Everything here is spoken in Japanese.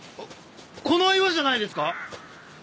この岩じゃないですか？